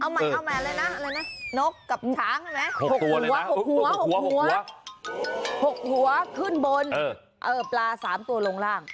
เอาใหม่อะไรนะนกกับช้าง๖หัวขึ้นบนปลา๓ตัวลงร่าง